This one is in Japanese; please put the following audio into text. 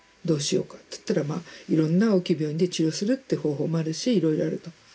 どうしようかって言ったらまあ、いろんな大きい病院で治療するっていう方法もあるしいろいろあると。